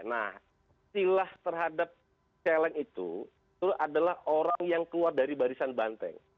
nah silah terhadap celeng itu adalah orang yang keluar dari barisan banteng